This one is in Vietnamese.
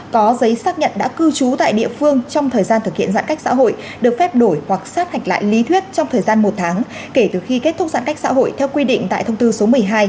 có giấy xác nhận đã cư trú tại địa phương trong thời gian thực hiện giãn cách xã hội được phép đổi hoặc sát hạch lại lý thuyết trong thời gian một tháng kể từ khi kết thúc giãn cách xã hội theo quy định tại thông tư số một mươi hai